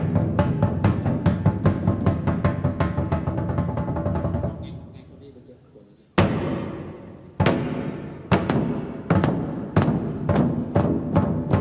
สวัสดีสวัสดีสวัสดี